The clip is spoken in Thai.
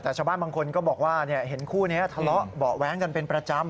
แต่ชาวบ้านบางคนก็บอกว่าเห็นคู่นี้ทะเลาะเบาะแว้งกันเป็นประจำ